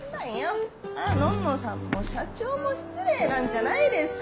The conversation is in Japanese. のんのさんも社長も失礼なんじゃないですか。